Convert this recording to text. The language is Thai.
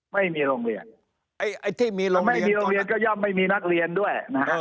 ไม่มีโรงเรียนก็ย่อมไม่มีนักเรียนด้วย